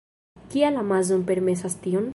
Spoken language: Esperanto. Kial Amazon permesas tion?